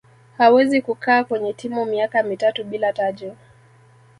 hawezi kukaaa kwenye timu miaka mitatu bila taji